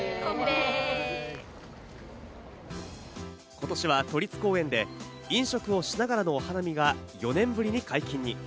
今年は都立公園で飲食をしながらのお花見が４年ぶりに解禁に。